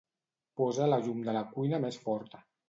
Posa la llum de la cuina més forta.